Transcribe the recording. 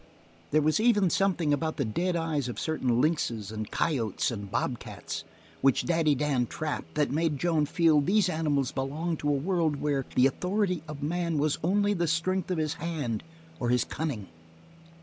There was even something about the dead eyes of certain lynxes and coyotes and bobcats which Daddy Dan trapped that made Joan feel these animals belonged to a world where the authority of man was only the strength of his hand or his cunning.